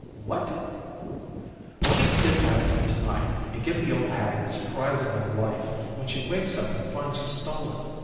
"What " "Lemme kidnap you to night and give the old hag the surprise of her life when she wakes up and finds you stolen.